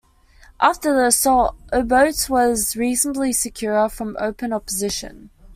After the assault, Obote was reasonably secure from open opposition.